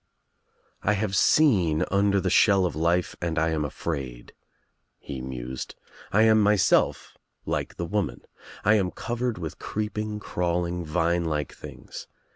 "I have seen under the 32 THE TRIUMPH OF THE EGG shell of life and I am afraid," he mused. "I am myself like the woman. 1 am covered with creeping crawling vine like things.